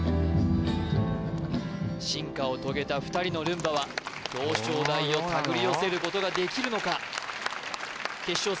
進化を遂げた２人のルンバは表彰台を手繰り寄せることができるのか決勝戦